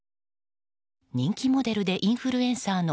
人気モデルでインフルエンサーの